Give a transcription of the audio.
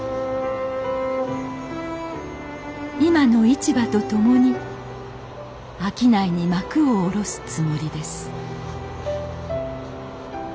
今の市場と共に商いに幕を下ろすつもりです